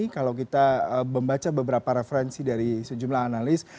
kalau kita membaca beberapa referensi dari sejumlah analis